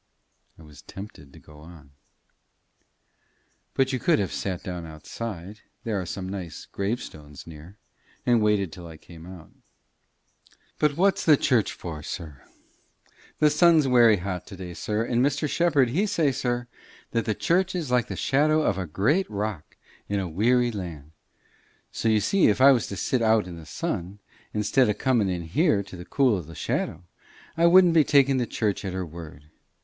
I was tempted to go on. "But you could have sat down outside there are some nice gravestones near and waited till I came out." "But what's the church for, sir? The sun's werry hot to day, sir; and Mr. Shepherd, he say, sir, that the church is like the shadow of a great rock in a weary land. So, you see, if I was to sit out in the sun, instead of comin' in here to the cool o' the shadow, I wouldn't be takin' the church at her word.